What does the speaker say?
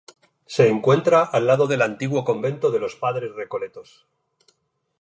Se encuentra al lado del antiguo convento de los padres recoletos.